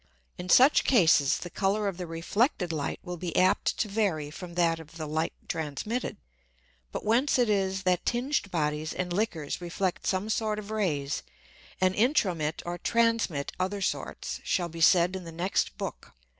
In such Cases, the Colour of the reflected Light will be apt to vary from that of the Light transmitted. But whence it is that tinged Bodies and Liquors reflect some sort of Rays, and intromit or transmit other sorts, shall be said in the next Book.